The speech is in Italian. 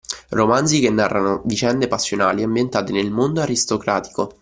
Romanzi che narrano vicende passionali ambientate nel mondo aristocratico.